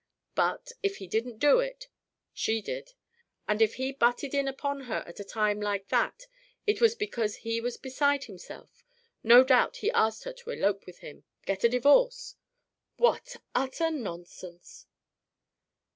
But if he didn't do it, she did. And if he butted in upon her at a time like that it was because he was beside himself no doubt he asked her to elope with him get a divorce " "What utter nonsense!"